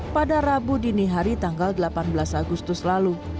pada rabu dini hari tanggal delapan belas agustus lalu